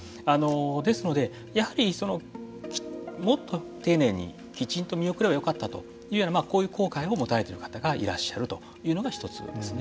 ですのでやはりもっと丁寧にきちんと見送ればよかったというようなこういう後悔を持たれている方がいらっしゃるというのが１つですね。